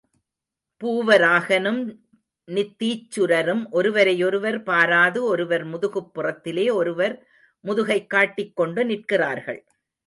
பூவராகனும் நித்தீச்சுரரும் ஒருவரையொருவர் பாராது ஒருவர் முதுகுப் புறத்திலே ஒருவர் முதுகைக் காட்டிக் கொண்டு நிற்கிறார்கள்.